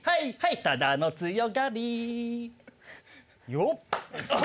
・よっ！